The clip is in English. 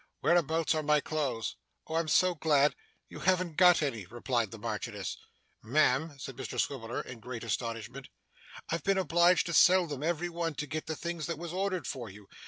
'Whereabouts are my clothes?' 'Oh, I'm so glad you haven't got any,' replied the Marchioness. 'Ma'am!' said Mr Swiveller, in great astonishment. 'I've been obliged to sell them, every one, to get the things that was ordered for you.